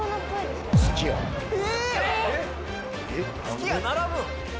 すき家並ぶん？